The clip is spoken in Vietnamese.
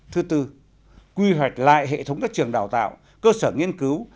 thứ tư quy hoạch lại hệ thống các trường đào tạo cơ sở nghiên cứu